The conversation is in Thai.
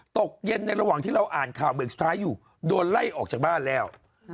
ตกเย็นในระหว่างที่เราอ่านข่าวเบรกสุดท้ายอยู่โดนไล่ออกจากบ้านแล้ว